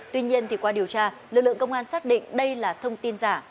tuy nhiên qua điều tra lực lượng công an xác định đây là thông tin giả